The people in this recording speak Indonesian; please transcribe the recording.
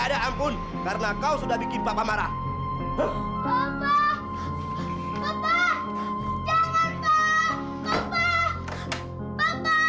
ada ampun karena kau sudah bikin papa marah